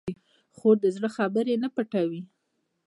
خور د زړه خبرې نه پټوي.